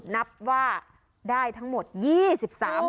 นับว่าได้ทั้งหมด๒๓บาท